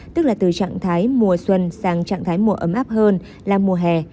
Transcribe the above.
tức là từ trạng thái mùa xuân sang trạng thái mùa ấm áp hơn là mùa hè